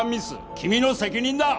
君の責任だ！